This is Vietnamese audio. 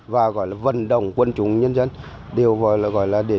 và gọi là vận động quân chủ nhân dân đều gọi là để sinh hoạt một cách gọi là